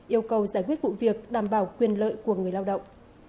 yêu cầu giải quyết vụ việc đảm bảo quyền lợi của người lao động